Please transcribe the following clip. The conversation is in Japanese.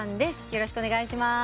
よろしくお願いします。